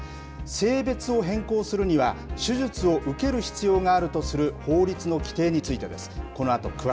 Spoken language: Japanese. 性別を変更するには、手術を受ける必要があるとする法律の規定についてです。